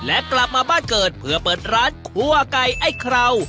และกลับมาบ้านเกิดเพื่อเปิดร้านคั่วไก่ไอ้คราว